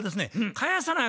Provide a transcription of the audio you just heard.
返さなあ